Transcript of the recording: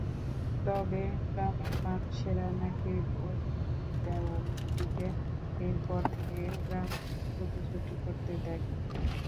তবে গ্রামের মানুষেরা নাকি বলি দেয়া মেয়েটিকে এর পর থেকে গ্রামময় ছুটোছুটি করতে দেখে।